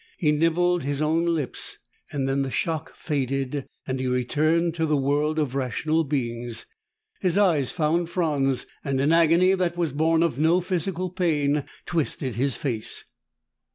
He nibbled his own lips. Then the shock faded and he returned to the world of rational beings. His eyes found Franz, and an agony that was born of no physical pain twisted his face.